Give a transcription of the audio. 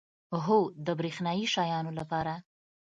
هو، د بریښنایی شیانو لپاره